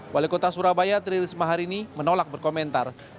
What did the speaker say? wali kota surabaya teriris mahar ini menolak berkomentar